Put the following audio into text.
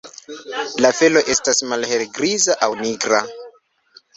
La felo estas malhelgriza aŭ nigra.